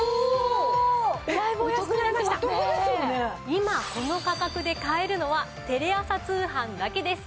今この価格で買えるのはテレ朝通販だけです。